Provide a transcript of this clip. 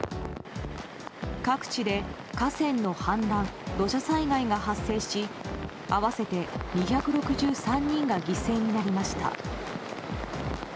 各地で河川の氾濫、土砂災害が発生し合わせて２６３人が犠牲になりました。